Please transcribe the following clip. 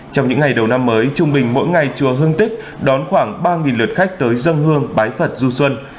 trong những ngày đầu năm mới trung bình mỗi ngày chùa hương tích đón khoảng ba lượt khách tới dân hương bái phật du xuân